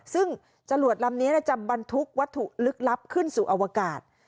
ซึ่งจรวดลำนี้จะบรรทุกวัตถุลึกลับขึ้นสู่อวกาศ